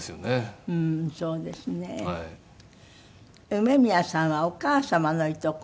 梅宮さんはお母様のいとこ？